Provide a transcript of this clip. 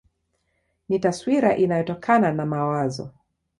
Ni taswira inayotokana na mawazo.